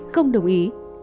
không đồng ý